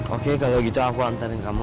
oke kalau gitu aku antein kamu